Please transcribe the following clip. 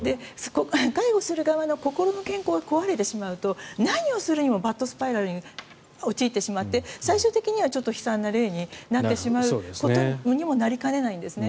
介護する側の心の健康が壊れてしまうと何をするにもバッドスパイラルに陥ってしまって最終的には悲惨な例になってしまうことにもなりかねないんですね。